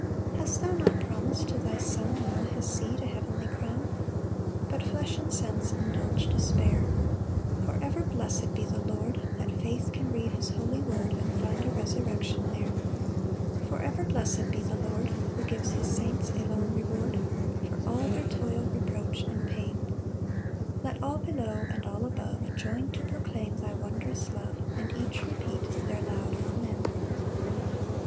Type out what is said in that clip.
3 Hast thou not promis'd to thy Son And all his seed a heavenly crown? But flesh and sense indulge despair; For ever blessed be the Lord, That faith can read his holy word, And find a resurrection there. 4 For ever blessed be the Lord, Who gives his saints a long reward For all their toil, reproach and pain; Let all below and all above Join to proclaim thy wondrous love, And each repeat their loud Amen.